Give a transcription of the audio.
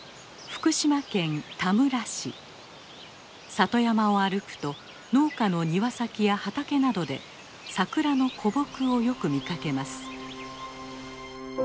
里山を歩くと農家の庭先や畑などで桜の古木をよく見かけます。